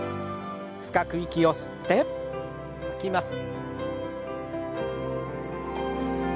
深く息を吸って吐きます。